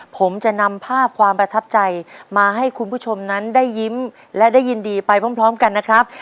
ผมจะนำภาพความประทับใจมาให้คุณผู้ชมนั้นได้ยิ้มและได้ยินดีไปพร้อมกันนะครับ